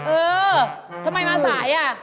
เออทำไมมาสายอ่ะ